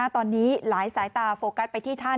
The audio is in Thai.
ตอนนี้หลายสายตาโฟกัสไปที่ท่าน